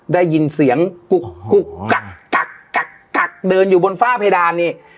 ได้ยินเสียงกุกกุกกักกักเดินอยู่บนฝ้าเพดานนี่